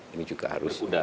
ini juga harus